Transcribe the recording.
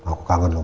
aku kangen loh